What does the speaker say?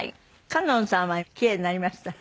香音さんは奇麗になりました？